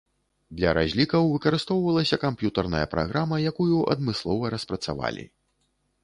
Для разлікаў выкарыстоўвалася камп'ютарная праграма, якую адмыслова распрацавалі.